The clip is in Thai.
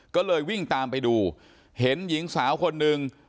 ก็เลยวิ่งตามไปดูเห็นหญิงสาวคนหนึ่ง